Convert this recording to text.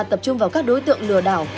tập trung vào các đối tượng lừa đảo